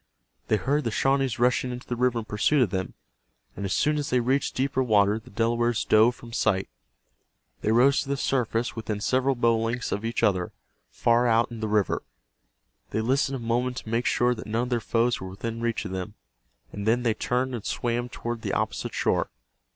They heard the Shawnees rushing into the river in pursuit of them, and as soon as they reached deeper water the Delawares dove from sight. They rose to the surface within several bow lengths of each other, far out in the river. They listened a moment to make sure that none of their foes were within reach of them, and then they turned and swam toward the opposite shore.